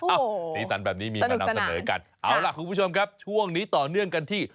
สีสันแบบนี้มีมานำเสนอกันเอาล่ะคุณผู้ชมครับช่วงนี้ต่อเนื่องกันที่